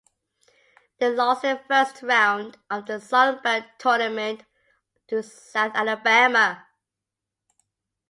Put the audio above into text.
They lost in the first round of the Sun Belt Tournament to South Alabama.